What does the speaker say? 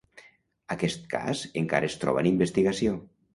Aquest cas encara es troba en investigació.